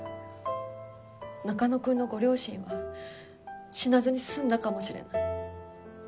中野くんのご両親は死なずに済んだかもしれない。